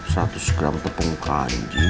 satu gram tepung kani